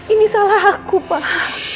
ini salah aku pak